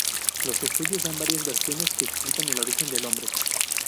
Los estudiosos dan varias versiones que explican el origen del nombre.